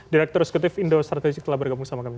direktur eksekutif indo strategik telah bergabung sama kami